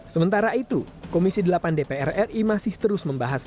sementara itu komisi delapan dpr ri masih terus membahas